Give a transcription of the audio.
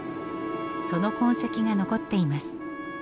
その痕跡が残っています。